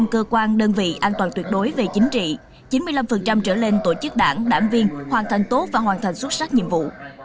một trăm linh cơ quan đơn vị an toàn tuyệt đối về chính trị chín mươi năm trở lên tổ chức đảng đảng viên hoàn thành tốt và hoàn thành xuất sắc nhiệm vụ